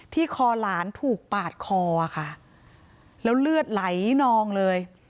คอหลานถูกปาดคอค่ะแล้วเลือดไหลนองเลย